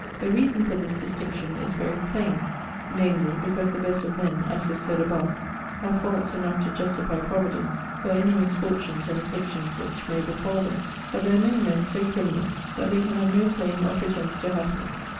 The reason for this distinction is very plain; namely, because the best of men [as is said above,] have faults enough to justify Providence for any misfortunes and afflictions which may befall them; but there are many men so criminal, that they can have no claim or pretence to happiness.